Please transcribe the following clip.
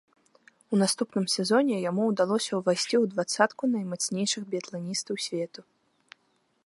У наступным сезоне яму ўдалося ўвайсці ў дваццатку наймацнейшых біятланістаў свету.